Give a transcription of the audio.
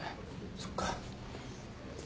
そっか。